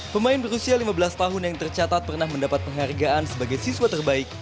pemain berusia lima belas tahun yang tercatat pernah mendapat penghargaan sebagai siswa terbaik